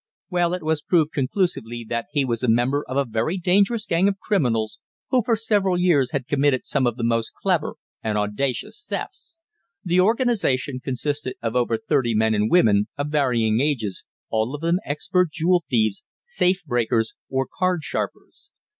"Well, it was proved conclusively that he was a member of a very dangerous gang of criminals who for several years had committed some of the most clever and audacious thefts. The organization consisted of over thirty men and women, of varying ages, all of them expert jewel thieves, safe breakers, or card sharpers.